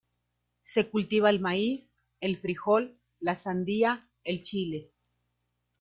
Se cultiva el maíz, el frijol, la sandía, el chile.